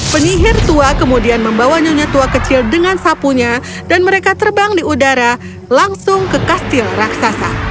penyihir tua kemudian membawa nyonya tua kecil dengan sapunya dan mereka terbang di udara langsung ke kastil raksasa